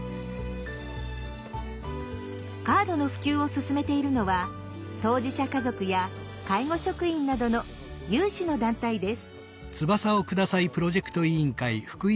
カードの普及を進めているのは当事者家族や介護職員などの有志の団体です。